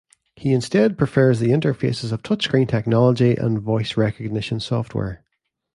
He instead prefers the interfaces of touch-screen technology and voice recognition software.